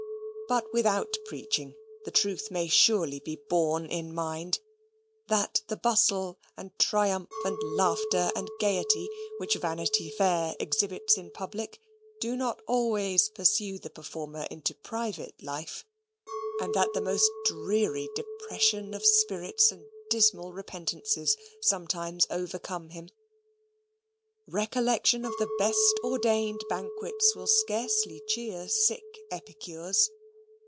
But, without preaching, the truth may surely be borne in mind, that the bustle, and triumph, and laughter, and gaiety which Vanity Fair exhibits in public, do not always pursue the performer into private life, and that the most dreary depression of spirits and dismal repentances sometimes overcome him. Recollection of the best ordained banquets will scarcely cheer sick epicures.